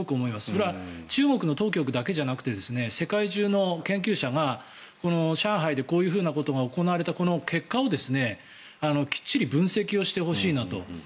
これは中国の当局だけじゃなくて世界中の研究者が上海でこういうふうなことが行われた結果をきっちり分析をしてほしいなと。